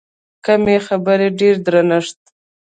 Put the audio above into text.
کمې خبرې، ډېر درنښت.